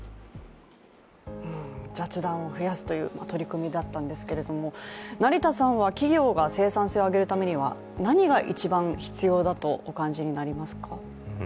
雑談を増やすという取り組みだったんですけれども成田さんは企業が生産性を上げるためには何が一番必要だとお感じになりますか？